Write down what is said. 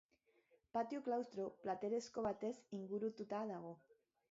Patio klaustro plateresko batez inguratuta dago.